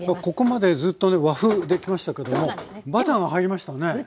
ここまでずっとね和風できましたけどもバターが入りましたね。